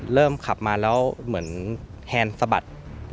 เริ่มขับมาแล้วเหมือนแฮนสะบัด